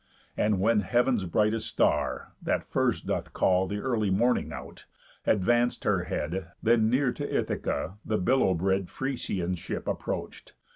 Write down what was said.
And when heav'n's brightest star, that first doth call The early morning out, advanc'd her head, Then near to Ithaca the billow bred Phræcian ship approach'd.